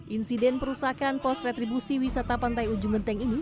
insiden perusahaan pos retribusi wisata pantai ujung genteng ini